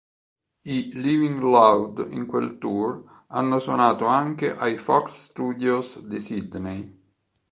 I Living Loud in quel tour hanno suonato anche ai Fox Studios di Sydney.